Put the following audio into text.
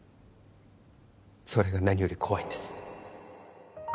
それが何より怖いんです